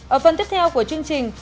ở phần tiếp theo của chương trình